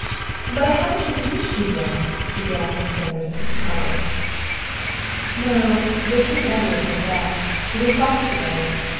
"But I haven't introduced you yet" began Mrs. Sanderson, puzzled. "No; the King Edward did that. We crossed together.